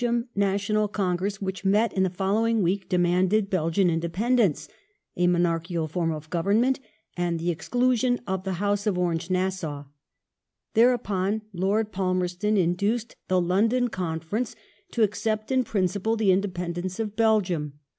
148 THE FOREIGN rOLICY OF LORD PALMERSTON [1830 National Congi ess which met in the following week demanded Belgian independence, a monarchical form of Government, and the exclusion of the House of Orange Nassau. Thereupon, I^rd Palmei*ston induced the London Conference to accept in principle the independence of Belgium (Dec.